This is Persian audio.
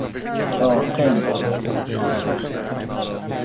راقم